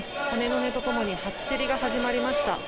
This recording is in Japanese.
鐘の音とともに初競りが始まりました。